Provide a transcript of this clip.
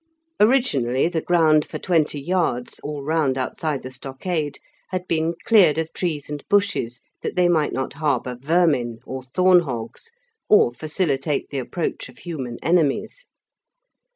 Originally the ground for twenty yards, all round outside the stockade, had been cleared of trees and bushes that they might not harbour vermin, or thorn hogs, or facilitate the approach of human enemies.